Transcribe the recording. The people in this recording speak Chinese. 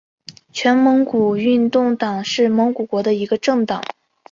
全蒙古劳动党是蒙古国的一个政党。